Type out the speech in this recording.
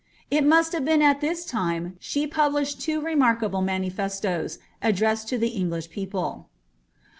h must have been at this time she published two remarkable manifestoes, addrened to the English people.